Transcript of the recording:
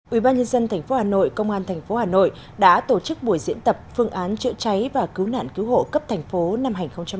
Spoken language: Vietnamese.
ubnd tp hà nội công an tp hà nội đã tổ chức buổi diễn tập phương án chữa cháy và cứu nạn cứu hộ cấp thành phố năm hai nghìn hai mươi